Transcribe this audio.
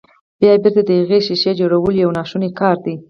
بيا بېرته د هغې ښيښې جوړول يو ناشونی کار دی.